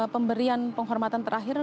pemberian penghormatan terakhir